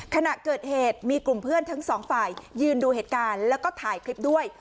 ขณะเกิดเหตุมีกลุ่มเพื่อนทั้งสองฝ่ายยืนดูเหตุการณ์แล้วก็ถ่ายคลิปด้วย